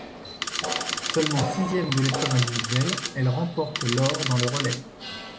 Seulement sixième de l'épreuve individuelle, elle remporte l'or dans le relais.